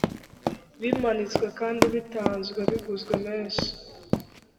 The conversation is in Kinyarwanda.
bimanitswe kandi bitanzwe biguzwe menshi